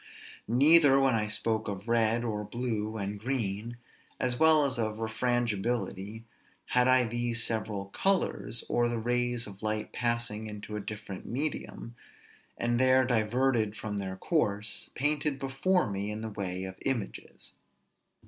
Neither when I spoke of red, or blue, and green, as well as refrangibility, had I these several colors, or the rays of light passing into a different medium, and there diverted from their course, painted before me in the way of images.